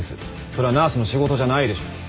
それはナースの仕事じゃないでしょ。